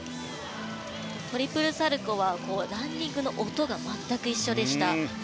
トリプルサルコウはランディングの音が全く一緒でした。